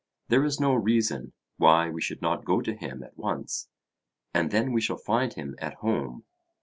There is no reason why we should not go to him at once, and then we shall find him at home.